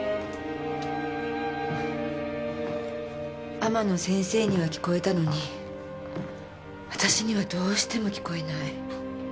天野先生には聞こえたのに私にはどうしても聞こえない。